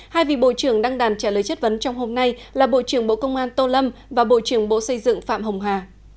hai vị bộ trưởng đăng đàn trả lời chất vấn trong hôm nay là bộ trưởng bộ công an tô lâm và bộ trưởng bộ xây dựng phạm hồng hà